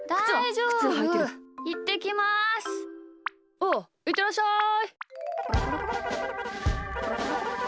おういってらっしゃい。